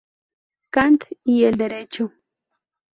Kant y el derecho.